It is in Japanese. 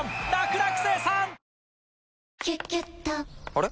あれ？